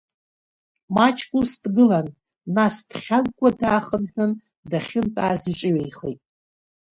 Маҷк ус дгылан, нас дхьагәгәа даахынҳәын, дахьынтәааз иҿыҩеихеит.